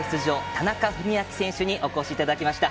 田中史朗選手にお越しいただきました。